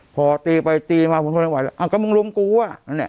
พอตีไปตีมาคุณคนให้ไหวแล้วอ้าวก็มึงรู้มันกูว่าเนี่ย